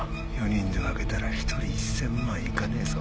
４人で分けたら１人１０００万いかねえぞ。